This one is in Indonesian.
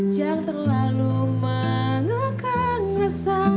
jangan terlalu mengukang resah